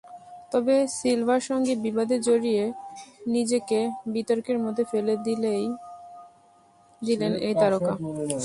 তবে সিলভার সঙ্গে বিবাদে জড়িয়ে নিজেকে বিতর্কের মধ্যে ফেলে দিলেন এই তারকা।